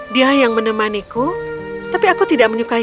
dia yang menemaniku tapi aku tidak menyukai